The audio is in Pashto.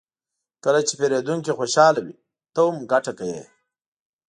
کله چې پیرودونکی خوشحال وي، ته هم ګټه کوې.